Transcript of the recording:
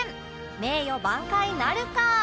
名誉挽回なるか？